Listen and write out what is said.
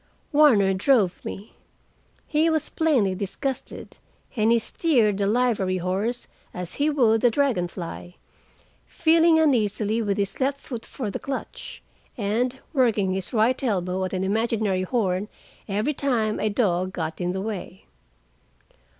Warner drove me; he was plainly disgusted, and he steered the livery horse as he would the Dragon Fly, feeling uneasily with his left foot for the clutch, and working his right elbow at an imaginary horn every time a dog got in the way.